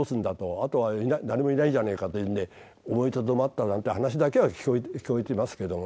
「あとは誰もいないじゃないか」と言うんで思いとどまったなんて話だけは聞こえてますけども。